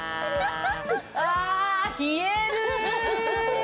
わあ冷える！